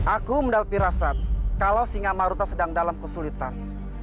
aku mendapati rasa kalau singa maruta sedang dalam kesulitan